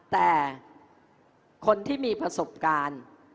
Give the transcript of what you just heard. แต่คนที่มีประสบการณ์